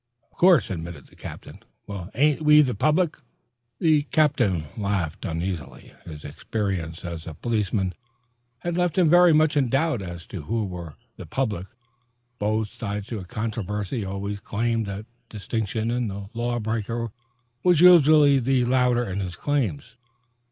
"Of course," admitted the captain. "Well, ain't we the public?" The captain laughed uneasily. His experience as a policeman had left him very much in doubt as to who were the public. Both sides to a controversy always claimed that distinction, and the law breaker was usually the louder in his claims.